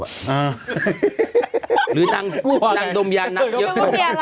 หึโรหรือนางดมยันนักเยอะกว่า